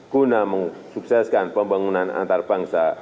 guna menguasai sukses pembangunan antarabangsa